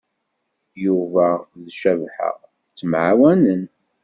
Yuba d Cabḥa ttemɛawanen.